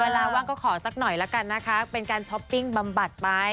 ว่างก็ขอสักหน่อยละกันนะคะเป็นการช้อปปิ้งบำบัดไหม